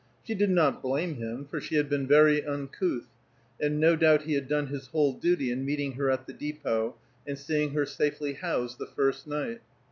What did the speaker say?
She did not blame him, for she had been very uncouth, and no doubt he had done his whole duty in meeting her at the depot, and seeing her safely housed the first night.